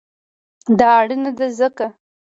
دا اړینه ده ځکه: